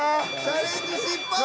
チャレンジ失敗！